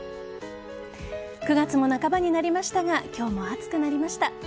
９月も半ばになりましたが今日も暑くなりました。